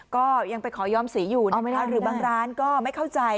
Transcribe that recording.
ก็ยังไปขอยอมสีอยู่นะคะหรือบางร้านก็ไม่เข้าใจ